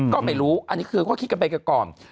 ก็ไม่รู้อันนี้คือเขาคิดกันไปก่อน